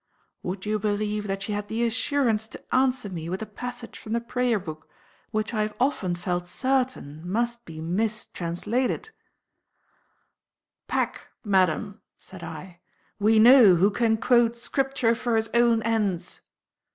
Would you believe that she had the assurance to answer me with a passage from the Prayer Book, which I have often felt certain must be mistranslated? "Pack, madam," said I; "we know who can quote Scripture for his own ends!"